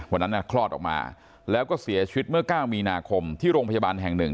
วันนั้นคลอดออกมาแล้วก็เสียชีวิตเมื่อ๙มีนาคมที่โรงพยาบาลแห่งหนึ่ง